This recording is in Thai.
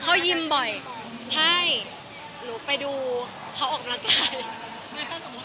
เขาจะห่วงไหม